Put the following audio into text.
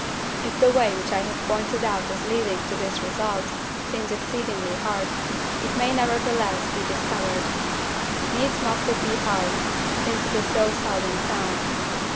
If the way which I have pointed out as leading to this result seems exceedingly hard, it may nevertheless be discovered. Needs must it be hard, since it is so seldom found.